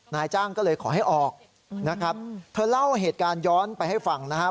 นายจ้างก็เลยขอให้ออกนะครับเธอเล่าเหตุการณ์ย้อนไปให้ฟังนะครับ